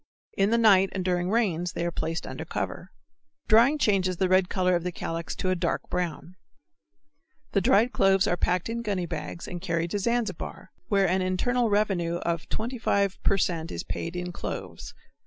In the night and during rains they are placed under cover. Drying changes the red color of the calyx to a dark brown. The dried cloves are packed in gunny bags and carried to Zanzibar where an internal revenue of 25 per cent. is paid in cloves.